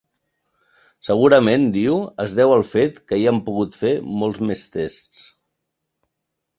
Segurament, diu, es deu al fet que hi han pogut fer molts més tests.